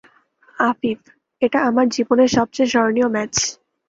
আফিফ: এটা আমার জীবনের সবচেয়ে স্মরণীয় ম্যাচ।